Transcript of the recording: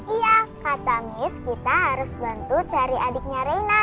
iya kata miss kita harus bantu cari adiknya reina